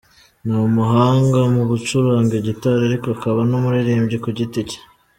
Ni umuhanga mu gucuranga gitari ariko akaba n’umuririmbyi ku giti cye.